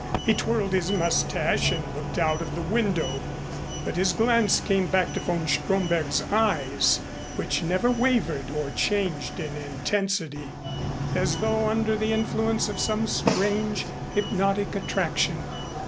He twirled his mustache and looked out of the window, but his glance came back to von Stromberg's eyes, which never wavered or changed in intensity, as though under the influence of some strange hypnotic attraction.